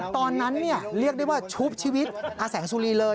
ตอนนั้นเรียกได้ว่าชุบชีวิตอาแสงสุรีเลย